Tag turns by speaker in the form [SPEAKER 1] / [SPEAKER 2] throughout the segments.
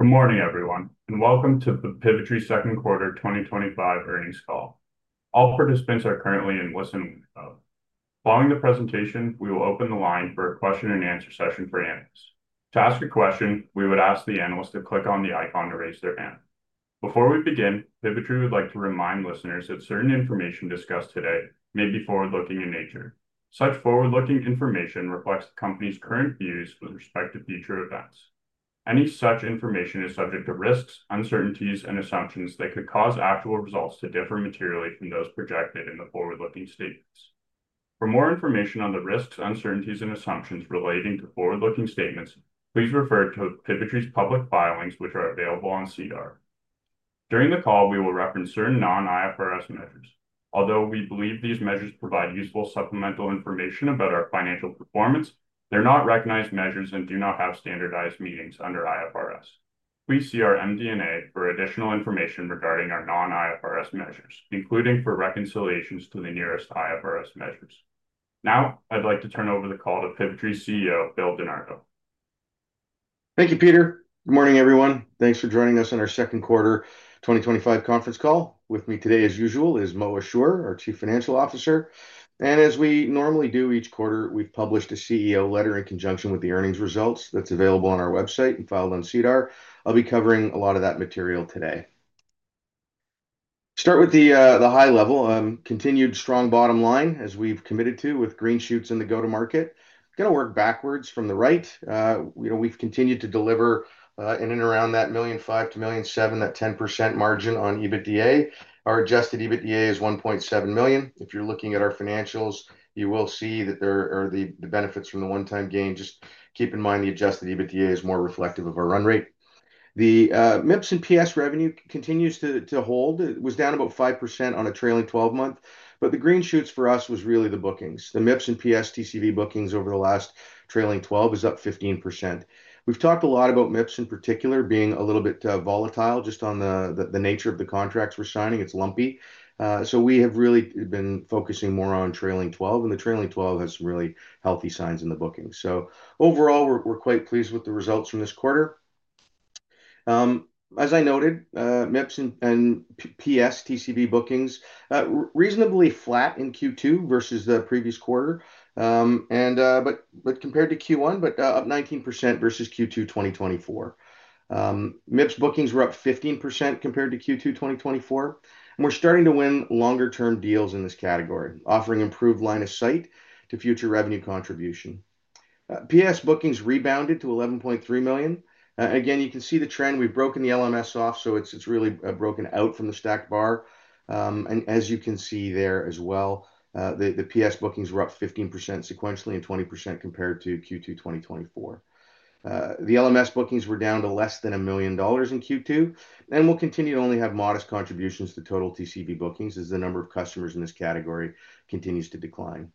[SPEAKER 1] Good morning, everyone, and welcome to the Pivotree second quarter 2025 earnings call. All participants are currently in listening mode. Following the presentation, we will open the line for a question and answer session for analysts. To ask a question, we would ask the analyst to click on the icon to raise their hand. Before we begin, Pivotree would like to remind listeners that certain information discussed today may be forward-looking in nature. Such forward-looking information reflects the company's current views with respect to future events. Any such information is subject to risks, uncertainties, and assumptions that could cause actual results to differ materially from those projected in the forward-looking statements. For more information on the risks, uncertainties, and assumptions relating to forward-looking statements, please refer to Pivotree's public filings, which are available on CDAR. During the call, we will reference certain non-IFRS measures. Although we believe these measures provide useful supplemental information about our financial performance, they're not recognized measures and do not have standardized meanings under IFRS. Please see our MD&A for additional information regarding our non-IFRS measures, including for reconciliations to the nearest IFRS measures. Now, I'd like to turn over the call to Pivotree CEO, Bill Di Nardo.
[SPEAKER 2] Thank you, Peter. Good morning, everyone. Thanks for joining us on our second quarter 2025 conference call. With me today, as usual, is Mo Ashoor, our Chief Financial Officer. As we normally do each quarter, we publish the CEO letter in conjunction with the earnings results that's available on our website and filed on CDAR. I'll be covering a lot of that material today. Start with the high level. Continued strong bottom line, as we've committed to, with green shoots in the go-to-market. Going to work backwards from the right. We've continued to deliver in and around that $1.5 million-$1.7 million, that 10% margin on EBITDA. Our adjusted EBITDA is $1.7 million. If you're looking at our financials, you will see that there are the benefits from the one-time gain. Just keep in mind the adjusted EBITDA is more reflective of our run rate. The MIPS and PS revenue continues to hold. It was down about 5% on a trailing 12 month, but the green shoots for us were really the bookings. The MIPS and PS TCV bookings over the last trailing 12 is up 15%. We've talked a lot about MIPS in particular being a little bit volatile, just on the nature of the contracts we're signing. It's lumpy. We have really been focusing more on trailing 12, and the trailing 12 has some really healthy signs in the bookings. Overall, we're quite pleased with the results from this quarter. As I noted, MIPS and PS TCV bookings reasonably flat in Q2 versus the previous quarter, but compared to Q1, but up 19% versus Q2 2024. MIPS bookings were up 15% compared to Q2 2024. We're starting to win longer-term deals in this category, offering improved line of sight to future revenue contribution. PS bookings rebounded to $11.3 million. Again, you can see the trend. We've broken the RMS off, so it's really broken out from the stack bar. As you can see there as well, the PS bookings were up 15% sequentially and 20% compared to Q2 2024. The RMS bookings were down to less than $1 million in Q2 and will continue to only have modest contributions to total TCV bookings as the number of customers in this category continues to decline.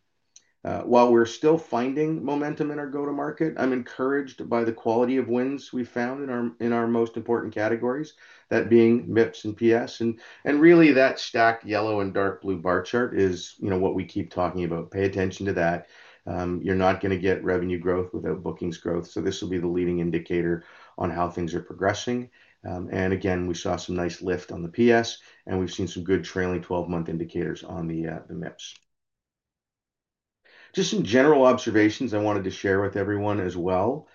[SPEAKER 2] While we're still finding momentum in our go-to-market, I'm encouraged by the quality of wins we've found in our most important categories, that being MIPS and PS. That stacked yellow and dark blue bar chart is what we keep talking about. Pay attention to that. You're not going to get revenue growth without bookings growth. This will be the leading indicator on how things are progressing. Again, we saw some nice lift on the PS, and we've seen some good trailing 12-month indicators on the MIPS. Just some general observations I wanted to share with everyone as well.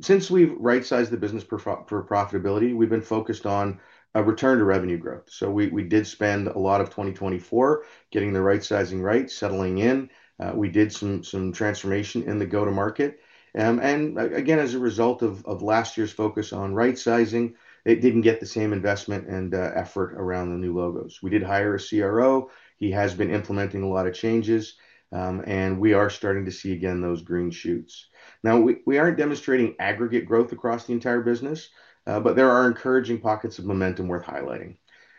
[SPEAKER 2] Since we've right-sized the business for profitability, we've been focused on return to revenue growth. We did spend a lot of 2024 getting the right sizing right, settling in. We did some transformation in the go-to-market. As a result of last year's focus on right sizing, it didn't get the same investment and effort around the new logos. We did hire a CRO. He has been implementing a lot of changes. We are starting to see again those green shoots. We aren't demonstrating aggregate growth across the entire business, but there are encouraging pockets of momentum worth highlighting.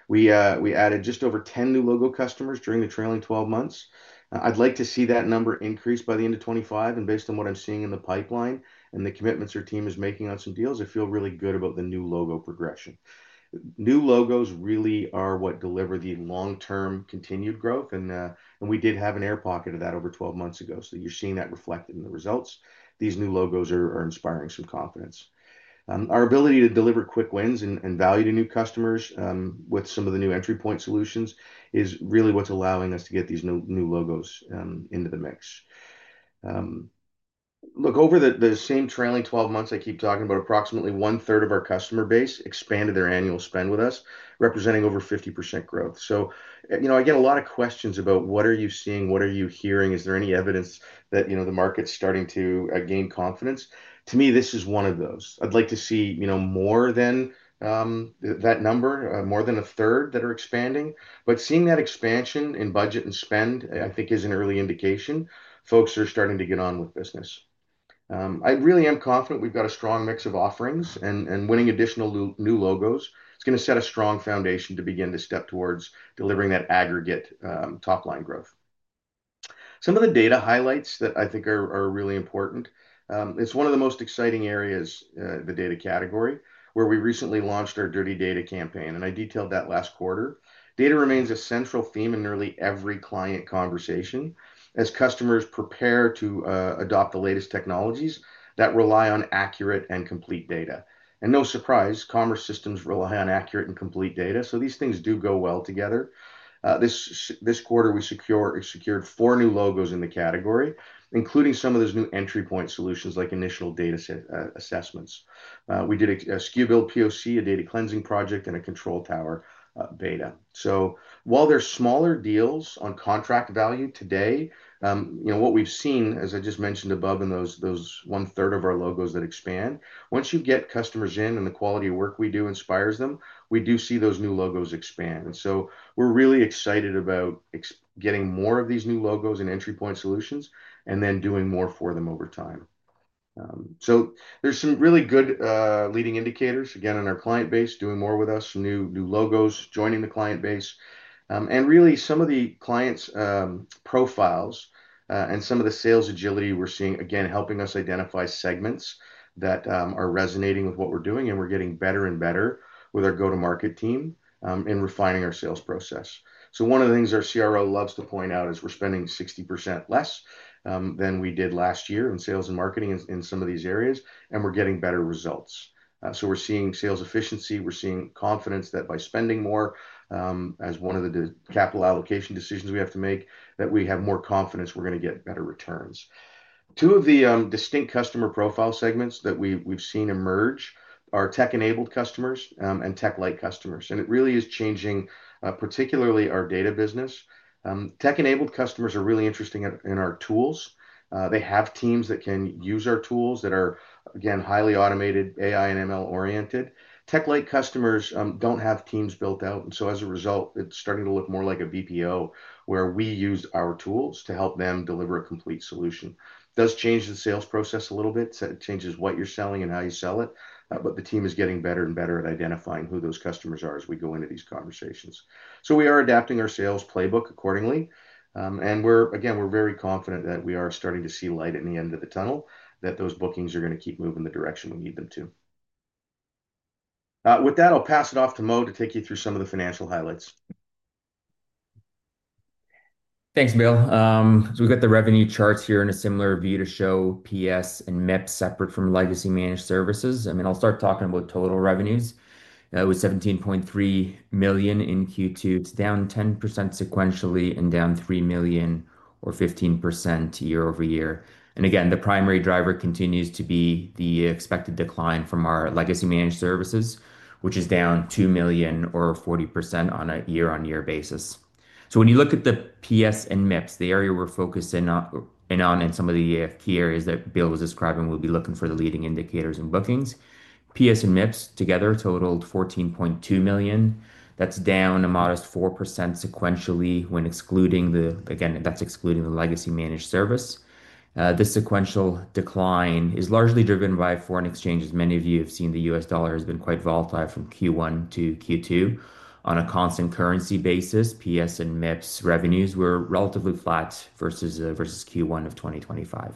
[SPEAKER 2] We added just over 10 new logo customers during the trailing 12 months. I'd like to see that number increase by the end of 2025. Based on what I'm seeing in the pipeline and the commitments our team is making on some deals, I feel really good about the new logo progression. New logos really are what deliver the long-term continued growth. We did have an air pocket of that over 12 months ago. You're seeing that reflected in the results. These new logos are inspiring some confidence. Our ability to deliver quick wins and value to new customers with some of the new entry point solutions is really what's allowing us to get these new logos into the mix. Look over the same trailing 12 months I keep talking about. Approximately one-third of our customer base expanded their annual spend with us, representing over 50% growth. I get a lot of questions about what are you seeing, what are you hearing, is there any evidence that the market's starting to gain confidence. To me, this is one of those. I'd like to see more than that number, more than a third that are expanding. Seeing that expansion in budget and spend, I think, is an early indication folks are starting to get on with business. I really am confident we've got a strong mix of offerings and winning additional new logos. It's going to set a strong foundation to begin to step towards delivering that aggregate top-line growth. Some of the data highlights that I think are really important. It's one of the most exciting areas, the data category, where we recently launched our Dirty Data campaign. I detailed that last quarter. Data remains a central theme in nearly every client conversation as customers prepare to adopt the latest technologies that rely on accurate and complete data. No surprise, commerce systems rely on accurate and complete data. These things do go well together. This quarter, we secured four new logos in the category, including some of those new entry point solutions like initial data assessments. We did a SKU Builder POC, a data cleaning project, and a Control Tower beta. While there are smaller deals on contract value today, what we've seen, as I just mentioned above in those one-third of our logos that expand, once you get customers in and the quality of work we do inspires them, we do see those new logos expand. We're really excited about getting more of these new logos and entry point solutions and then doing more for them over time. There are some really good leading indicators, again, on our client base doing more with us, new logos joining the client base, and really some of the clients' profiles and some of the sales agility we're seeing, again, helping us identify segments that are resonating with what we're doing. We're getting better and better with our go-to-market team in refining our sales process. One of the things our CRO loves to point out is we're spending 60% less than we did last year in sales and marketing in some of these areas, and we're getting better results. We're seeing sales efficiency. We're seeing confidence that by spending more, as one of the capital allocation decisions we have to make, that we have more confidence we're going to get better returns. Two of the distinct customer profile segments that we've seen emerge are tech-enabled customers and tech-like customers. It really is changing, particularly our data business. Tech-enabled customers are really interested in our tools. They have teams that can use our tools that are, again, highly automated, AI, and machine learning-oriented. Tech-like customers don't have teams built out. As a result, it's starting to look more like a BPO where we use our tools to help them deliver a complete solution. It does change the sales process a little bit. It changes what you're selling and how you sell it. The team is getting better and better at identifying who those customers are as we go into these conversations. We are adapting our sales playbook accordingly. We are, again, very confident that we are starting to see light at the end of the tunnel, that those bookings are going to keep moving the direction we need them to. With that, I'll pass it off to Mo to take you through some of the financial highlights.
[SPEAKER 3] Thanks, Bill. We've got the revenue charts here in a similar view to show PS and MIPS separate from legacy managed services. I'll start talking about total revenues. That was $17.3 million in Q2. It's down 10% sequentially and down $3 million or 15% year over year. The primary driver continues to be the expected decline from our legacy managed services, which is down $2 million or 40% on a year-on-year basis. When you look at the PS and MIPS, the area we're focusing on and some of the key areas that Bill was describing, we'll be looking for the leading indicators in bookings. PS and MIPS together totaled $14.2 million. That's down a modest 4% sequentially when excluding the legacy managed service. This sequential decline is largely driven by foreign exchanges. Many of you have seen the U.S. dollar has been quite volatile from Q1 -Q2. On a constant currency basis, PS and MIPS revenues were relatively flat versus Q1 of 2025.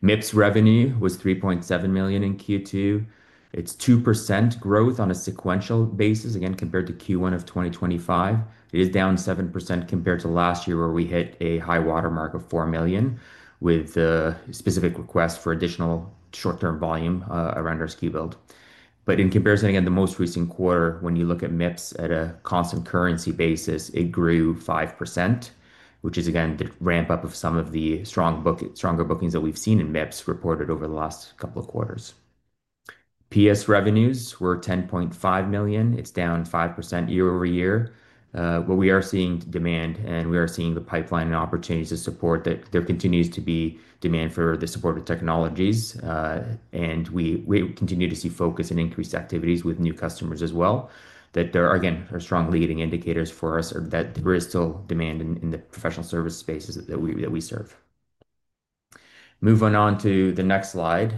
[SPEAKER 3] MIPS revenue was $3.7 million in Q2. It's 2% growth on a sequential basis, again, compared to Q1 of 2025. It is down 7% compared to last year where we hit a high watermark of $4 million with a specific request for additional short-term volume around our SKU Builder. In comparison, the most recent quarter, when you look at MIPS at a constant currency basis, it grew 5%, which is the ramp-up of some of the stronger bookings that we've seen in MIPS reported over the last couple of quarters. PS revenues were $10.5 million. It's down 5% year-ove- year. What we are seeing is demand, and we are seeing the pipeline and opportunities to support that. There continues to be demand for the support of technologies. We continue to see focus and increased activities with new customers as well. There are strong leading indicators for us that there is still demand in the professional service spaces that we serve. Moving on to the next slide.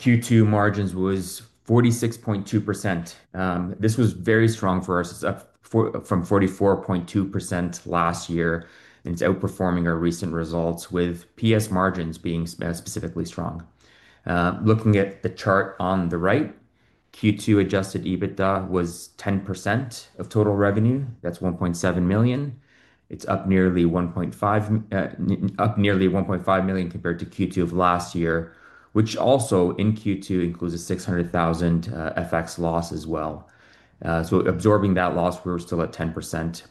[SPEAKER 3] Q2 margins were 46.2%. This was very strong for us. It's up from 44.2% last year, and it's outperforming our recent results with PS margins being specifically strong. Looking at the chart on the right, Q2 adjusted EBITDA was 10% of total revenue. That's $1.7 million. It's up nearly $1.5 million compared to Q2 of last year, which also in Q2 includes a $600,000 FX loss as well. Absorbing that loss, we're still at 10%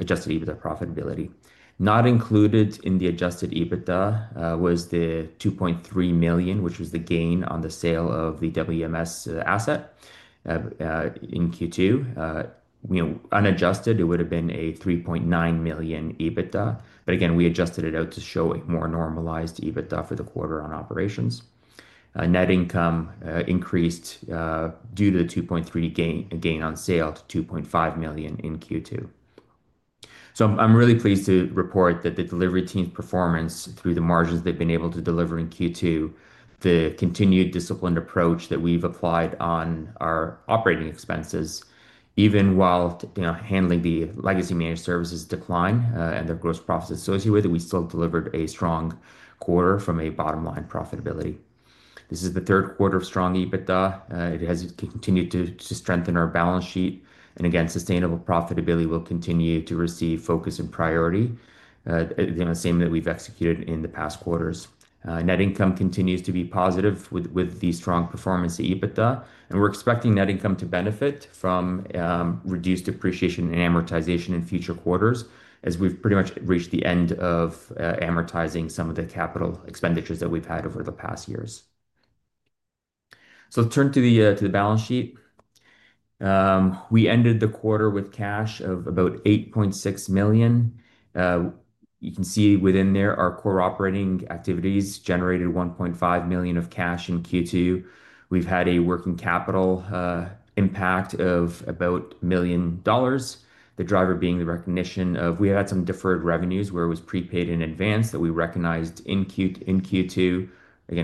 [SPEAKER 3] adjusted EBITDA profitability. Not included in the adjusted EBITDA was the $2.3 million, which was the gain on the sale of the WMS asset in Q2. Unadjusted, it would have been a $3.9 million EBITDA. Again, we adjusted it out to show a more normalized EBITDA for the quarter on operations. Net income increased due to the $2.3 million gain on sale to $2.5 million in Q2. I'm really pleased to report that the delivery team's performance through the margins they've been able to deliver in Q2, the continued disciplined approach that we've applied on our operating expenses, even while handling the legacy managed services decline and the gross profits associated with it, we still delivered a strong quarter from a bottom line profitability. This is the third quarter of strong EBITDA. It has continued to strengthen our balance sheet. Sustainable profitability will continue to receive focus and priority, the same that we've executed in the past quarters. Net income continues to be positive with the strong performance of EBITDA. We're expecting net income to benefit from reduced depreciation and amortization in future quarters as we've pretty much reached the end of amortizing some of the capital expenditures that we've had over the past years. Let's turn to the balance sheet. We ended the quarter with cash of about $8.6 million. You can see within there, our core operating activities generated $1.5 million of cash in Q2. We've had a working capital impact of about $1 million, the driver being the recognition of some deferred revenues where it was prepaid in advance that we recognized in Q2.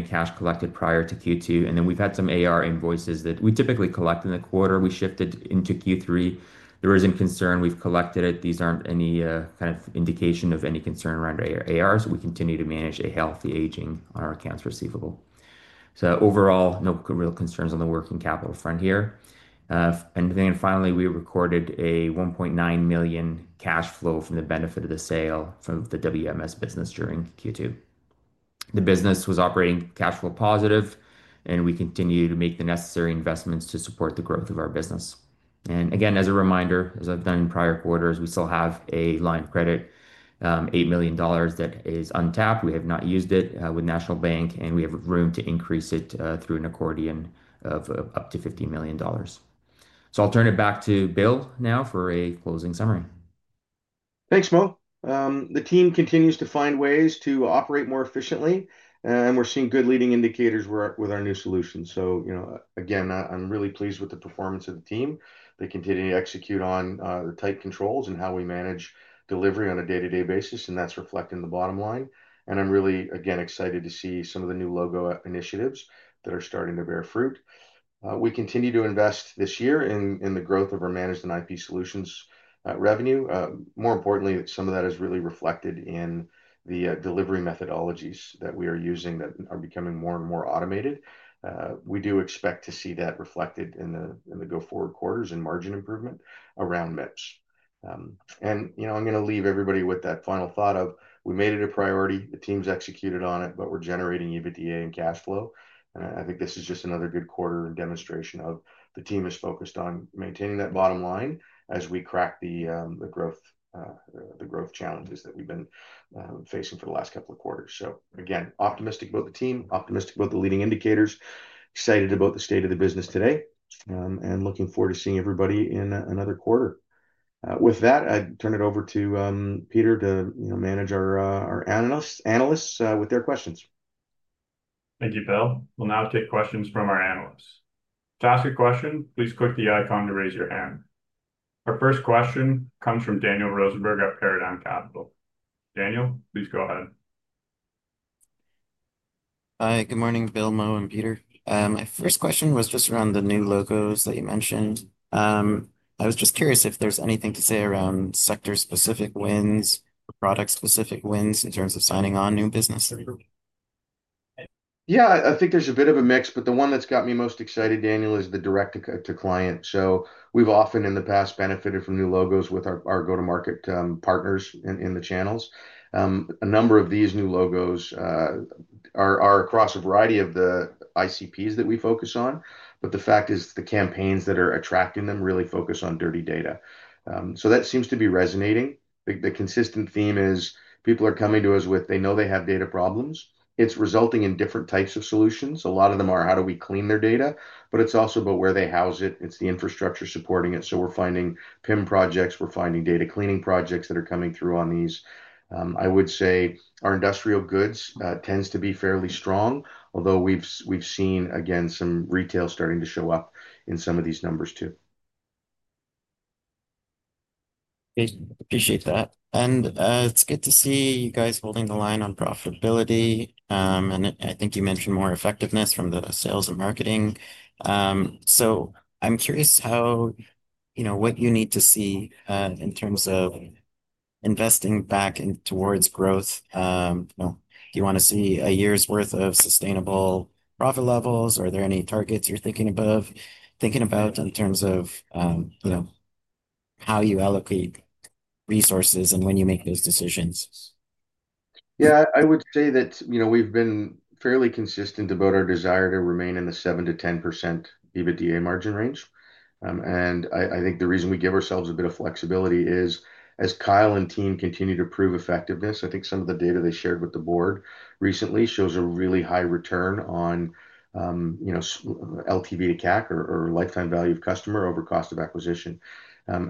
[SPEAKER 3] Cash collected prior to Q2. We've had some AR invoices that we typically collect in the quarter. We shifted into Q3. There isn't concern. We've collected it. These aren't any kind of indication of any concern around ARs. We continue to manage a healthy aging on our accounts receivable. Overall, no real concerns on the working capital front here. Finally, we recorded a $1.9 million cash flow from the benefit of the sale of the WMS business during Q2. The business was operating cash flow positive, and we continue to make the necessary investments to support the growth of our business. As a reminder, as I've done in prior quarters, we still have a line of credit, $8 million that is untapped. We have not used it with National Bank Financial Inc., and we have room to increase it through an accordion of up to $15 million. I'll turn it back to Bill now for a closing summary.
[SPEAKER 2] Thanks, Mo. The team continues to find ways to operate more efficiently, and we're seeing good leading indicators with our new solutions. I'm really pleased with the performance of the team. They continue to execute on the tight controls and how we manage delivery on a day-to-day basis, and that's reflected in the bottom line. I'm really, again, excited to see some of the new logo initiatives that are starting to bear fruit. We continue to invest this year in the growth of our Managed and IP Solutions revenue. More importantly, some of that is really reflected in the delivery methodologies that we are using that are becoming more and more automated. We do expect to see that reflected in the go-forward quarters in margin improvement around MIPS. I'm going to leave everybody with that final thought of we made it a priority. The team's executed on it, but we're generating EBITDA and cash flow. I think this is just another good quarter and demonstration of the team is focused on maintaining that bottom line as we crack the growth challenges that we've been facing for the last couple of quarters. Again, optimistic about the team, optimistic about the leading indicators, excited about the state of the business today, and looking forward to seeing everybody in another quarter. With that, I'd turn it over to Peter to manage our analysts with their questions.
[SPEAKER 1] Thank you, Bill. We'll now take questions from our analysts. To ask a question, please click the icon to raise your hand. Our first question comes from Daniel Rosenberg at Paradigm Capital. Daniel, please go ahead.
[SPEAKER 4] Hi, good morning, Bill, Mo, and Peter. My first question was just around the new logos that you mentioned. I was just curious if there's anything to say around sector-specific wins or product-specific wins in terms of signing on new business.
[SPEAKER 2] Yeah, I think there's a bit of a mix, but the one that's got me most excited, Daniel, is the direct-to-client. We've often, in the past, benefited from new logos with our go-to-market partners in the channels. A number of these new logos are across a variety of the ICPs that we focus on, but the fact is the campaigns that are attracting them really focus on Dirty Data. That seems to be resonating. The consistent theme is people are coming to us with, they know they have data problems. It's resulting in different types of solutions. A lot of them are, how do we clean their data? It's also about where they house it. It's the infrastructure supporting it. We're finding PIM projects. We're finding data cleaning projects that are coming through on these. I would say our industrial goods tend to be fairly strong, although we've seen, again, some retail starting to show up in some of these numbers too.
[SPEAKER 4] Appreciate that. It's good to see you guys holding the line on profitability. I think you mentioned more effectiveness from the sales and marketing. I'm curious what you need to see in terms of investing back towards growth. Do you want to see a year's worth of sustainable profit levels? Are there any targets you're thinking about in terms of how you allocate resources and when you make those decisions?
[SPEAKER 2] Yeah, I would say that we've been fairly consistent about our desire to remain in the 7%-10% EBITDA margin range. I think the reason we give ourselves a bit of flexibility is, as Kyle and team continue to prove effectiveness, I think some of the data they shared with the board recently shows a really high return on LTV to CAC, or lifetime value of customer over cost of acquisition.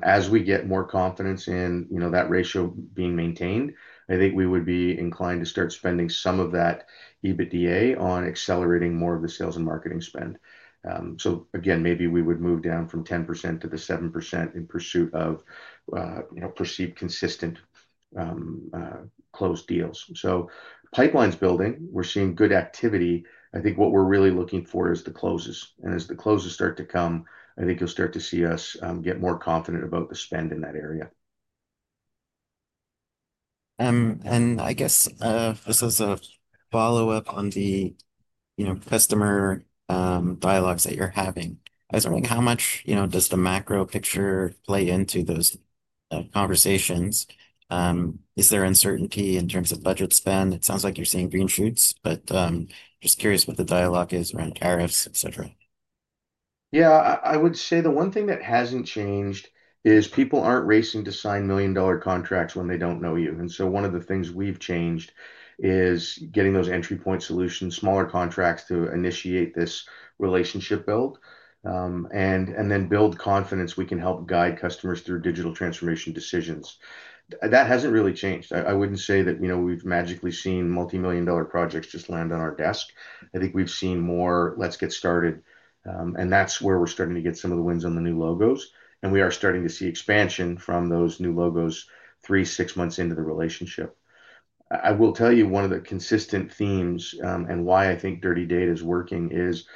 [SPEAKER 2] As we get more confidence in that ratio being maintained, I think we would be inclined to start spending some of that EBITDA on accelerating more of the sales and marketing spend. Maybe we would move down from 10% to the 7% in pursuit of perceived consistent closed deals. Pipeline's building. We're seeing good activity. I think what we're really looking for is the closes. As the closes start to come, I think you'll start to see us get more confident about the spend in that area.
[SPEAKER 4] I guess this is a follow-up on the customer dialogues that you're having. I was wondering how much does the macro picture play into those conversations. Is there uncertainty in terms of budget spend? It sounds like you're seeing green shoots, but I'm just curious what the dialogue is around tariffs, etc.
[SPEAKER 2] Yeah, I would say the one thing that hasn't changed is people aren't racing to sign million-dollar contracts when they don't know you. One of the things we've changed is getting those entry point solutions, smaller contracts to initiate this relationship build and then build confidence we can help guide customers through digital transformation decisions. That hasn't really changed. I wouldn't say that we've magically seen multimillion-dollar projects just land on our desk. I think we've seen more, let's get started. That's where we're starting to get some of the wins on the new logos. We are starting to see expansion from those new logos three, six months into the relationship. I will tell you one of the consistent themes and why I think Dirty Data campaign is working is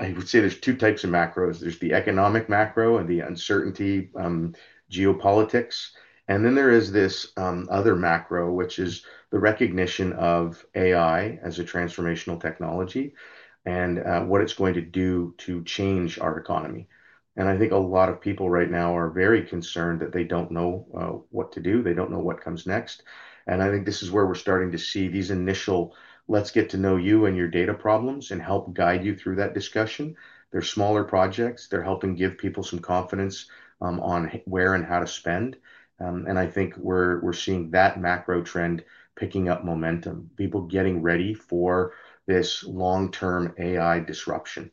[SPEAKER 2] I would say there's two types of macros. There's the economic macro and the uncertainty geopolitics. Then there is this other macro, which is the recognition of AI as a transformational technology and what it's going to do to change our economy. I think a lot of people right now are very concerned that they don't know what to do. They don't know what comes next. I think this is where we're starting to see these initial, let's get to know you and your data problems and help guide you through that discussion. They're smaller projects. They're helping give people some confidence on where and how to spend. I think we're seeing that macro trend picking up momentum, people getting ready for this long-term AI disruption.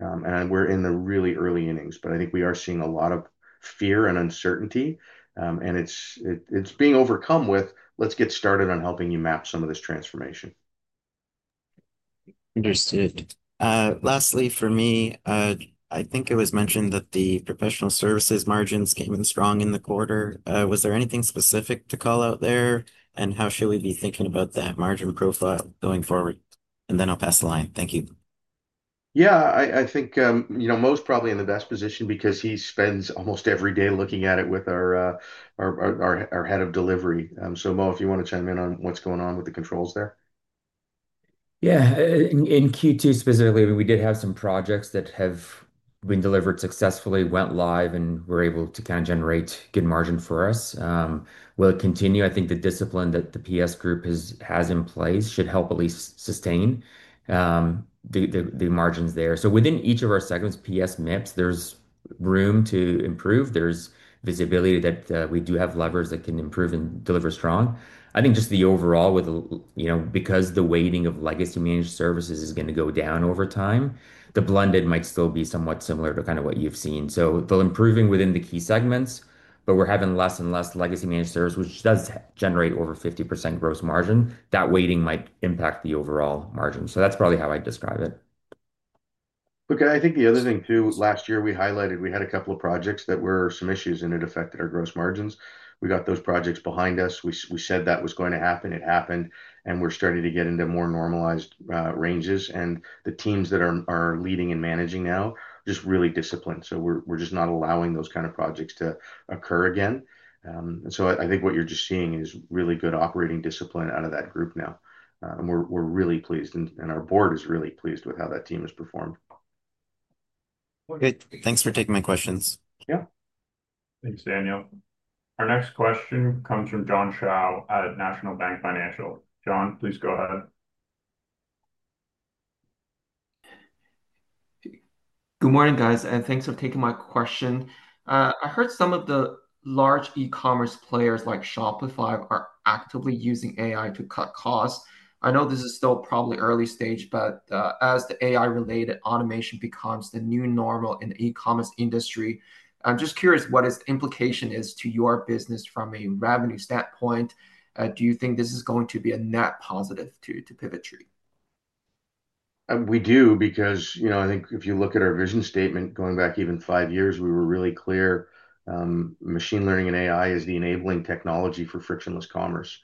[SPEAKER 2] We're in the really early innings, but I think we are seeing a lot of fear and uncertainty. It's being overcome with, let's get started on helping you map some of this transformation.
[SPEAKER 4] Understood. Lastly, for me, I think it was mentioned that the Professional Services margins came in strong in the quarter. Was there anything specific to call out there? How should we be thinking about that margin profile going forward? I'll pass the line. Thank you.
[SPEAKER 2] Yeah, I think Mo's probably in the best position because he spends almost every day looking at it with our Head of Delivery. Mo, if you want to chime in on what's going on with the controls there.
[SPEAKER 3] Yeah, in Q2 specifically, we did have some projects that have been delivered successfully, went live, and were able to kind of generate good margin for us. We'll continue. I think the discipline that the PS group has in place should help at least sustain the margins there. Within each of our segments, PS, MIPS, there's room to improve. There's visibility that we do have levers that can improve and deliver strong. I think just the overall, you know, because the weighting of legacy managed services is going to go down over time, the blended might still be somewhat similar to kind of what you've seen. They'll improve within the key segments, but we're having less and less legacy managed services, which does generate over 50% gross margin. That weighting might impact the overall margin. That's probably how I'd describe it.
[SPEAKER 2] Okay, I think the other thing too, last year we highlighted we had a couple of projects that were some issues and it affected our gross margins. We got those projects behind us. We said that was going to happen. It happened. We are starting to get into more normalized ranges. The teams that are leading and managing now are just really disciplined. We are just not allowing those kind of projects to occur again. I think what you are just seeing is really good operating discipline out of that group now. We are really pleased. Our board is really pleased with how that team has performed.
[SPEAKER 4] Good. Thanks for taking my questions.
[SPEAKER 2] Yeah.
[SPEAKER 1] Thanks, Daniel. Our next question comes from John Shao at National Bank Financial. John, please go ahead.
[SPEAKER 5] Good morning, guys, and thanks for taking my question. I heard some of the large e-commerce players like Shopify are actively using AI to cut costs. I know this is still probably early stage, but as the AI-related automation becomes the new normal in the e-commerce industry, I'm just curious what its implication is to your business from a revenue standpoint. Do you think this is going to be a net positive to Pivotree?
[SPEAKER 2] We do because, you know, I think if you look at our vision statement going back even five years, we were really clear machine learning and AI is the enabling technology for frictionless commerce.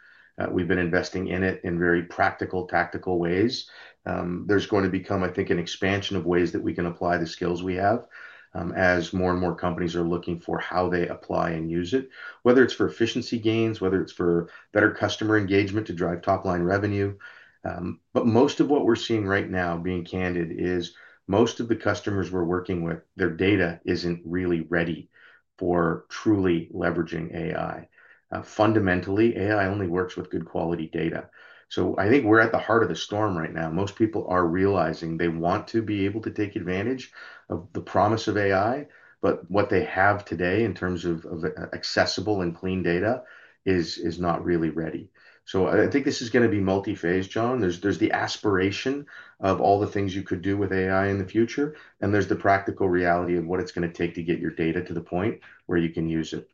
[SPEAKER 2] We've been investing in it in very practical, tactical ways. There is going to become, I think, an expansion of ways that we can apply the skills we have as more and more companies are looking for how they apply and use it, whether it's for efficiency gains, whether it's for better customer engagement to drive top-line revenue. Most of what we're seeing right now, being candid, is most of the customers we're working with, their data isn't really ready for truly leveraging AI. Fundamentally, AI only works with good quality data. I think we're at the heart of the storm right now. Most people are realizing they want to be able to take advantage of the promise of AI, but what they have today in terms of accessible and clean data is not really ready. I think this is going to be multi-phased, John. There is the aspiration of all the things you could do with AI in the future, and there is the practical reality of what it's going to take to get your data to the point where you can use it.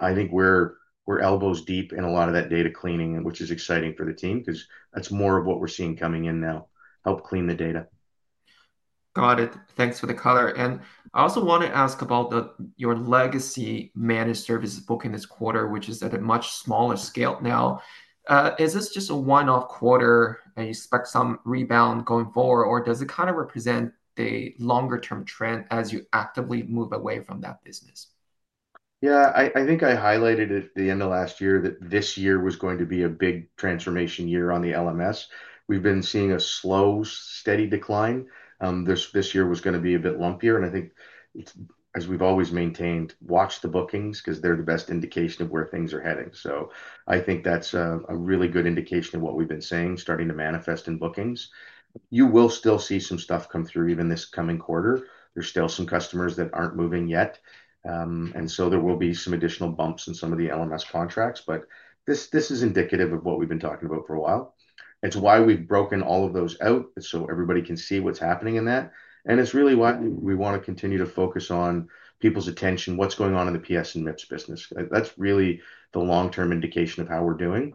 [SPEAKER 2] I think we're elbows deep in a lot of that data cleaning, which is exciting for the team because that's more of what we're seeing coming in now, help clean the data.
[SPEAKER 5] Got it. Thanks for the color. I also want to ask about your legacy managed services bookings this quarter, which is at a much smaller scale now. Is this just a one-off quarter? Do you expect some rebound going forward, or does it kind of represent the longer-term trend as you actively move away from that business?
[SPEAKER 2] Yeah, I think I highlighted at the end of last year that this year was going to be a big transformation year on the LMS We've been seeing a slow, steady decline. This year was going to be a bit lumpier, and I think, as we've always maintained, watch the bookings because they're the best indication of where things are heading. I think that's a really good indication of what we've been saying starting to manifest in bookings. You will still see some stuff come through even this coming quarter. There's still some customers that aren't moving yet, and there will be some additional bumps in some of the legacy managed services contracts, but this is indicative of what we've been talking about for a while. It's why we've broken all of those out so everybody can see what's happening in that. It's really what we want to continue to focus on, people's attention, what's going on in the PS and MIPS business. That's really the long-term indication of how we're doing.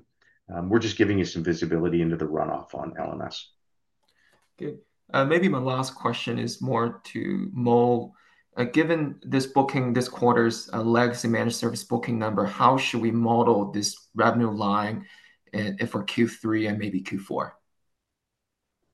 [SPEAKER 2] We're just giving you some visibility into the runoff on LMS
[SPEAKER 5] Good. Maybe my last question is more to Mo. Given this booking, this quarter's legacy managed service booking number, how should we model this revenue line for Q3 and maybe Q4?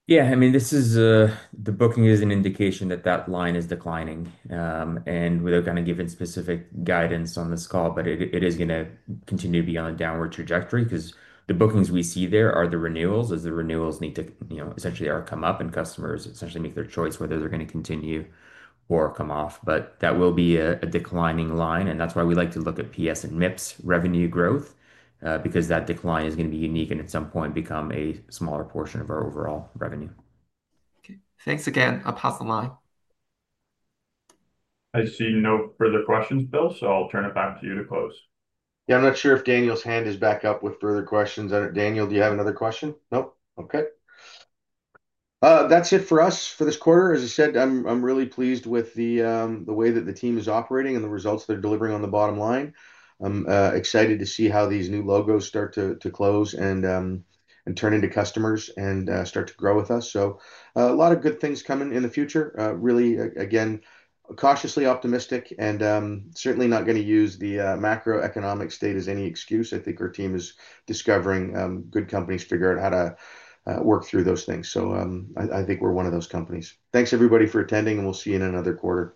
[SPEAKER 3] Yeah, I mean, the booking is an indication that that line is declining. We are not going to give specific guidance on this call, but it is going to continue to be on a downward trajectory because the bookings we see there are the renewals as the renewals need to, you know, essentially come up and customers essentially make their choice whether they're going to continue or come off. That will be a declining line. That's why we like to look at PS and MIPS revenue growth because that decline is going to be unique and at some point become a smaller portion of our overall revenue.
[SPEAKER 5] Thanks again. I'll pass the line.
[SPEAKER 1] I see no further questions, Bill, so I'll turn it back to you to close.
[SPEAKER 2] I'm not sure if Daniel's hand is back up with further questions. Daniel, do you have another question?
[SPEAKER 4] Nope.
[SPEAKER 2] That's it for us for this quarter. As I said, I'm really pleased with the way that the team is operating and the results they're delivering on the bottom line. I'm excited to see how these new logos start to close and turn into customers and start to grow with us. A lot of good things coming in the future. Really, again, cautiously optimistic and certainly not going to use the macroeconomic state as any excuse. I think our team is discovering good companies to figure out how to work through those things. I think we're one of those companies. Thanks, everybody, for attending, and we'll see you in another quarter.